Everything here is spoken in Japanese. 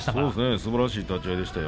すばらしい立ち合いでしたよ